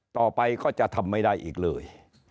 ต่อไปก็จะทำไม่ได้อีกเลย